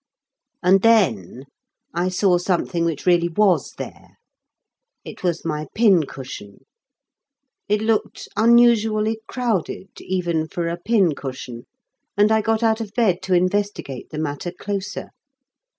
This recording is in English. And then I saw something which really was there. It was my pin cushion. It looked unusually crowded even for a pin cushion, and I got out of bed to investigate the matter closer.